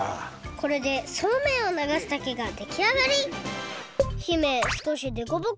これでそうめんをながす竹ができあがり！